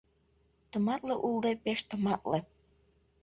Тыматле улде, пеш тыматле...